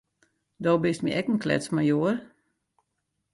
Do bist my ek in kletsmajoar.